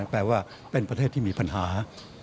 แปลว่าเป็นประเทศที่มีปัญหา